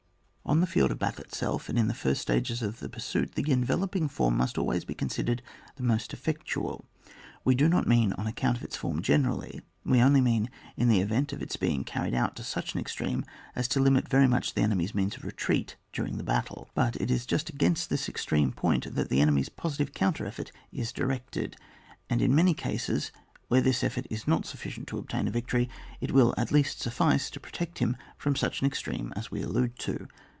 On the field of battle itself, and in the first stages of the pursuit, the enveloping form must always be considered the most effectual ; we do not mean on account of its form generally, we only mean in the event of its being carried out to such an extreme as to limit very much the enemy's means of retreat during the battle. But it is just against this extreme point that the enemy's positive counter effort is di rected, and in many cases where this effort is not sufficient to obtain a victory, it will at least suffice to protect him from such an extreme as we allude to.